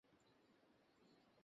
মানে, দিনটা সাধারণ দিন ছিল।